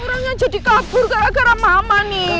orangnya jadi kabur gara gara mama nih